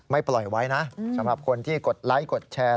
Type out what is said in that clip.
ปล่อยไว้นะสำหรับคนที่กดไลค์กดแชร์